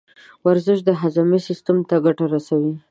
ورزش د هاضمې سیستم ته ګټه رسوي.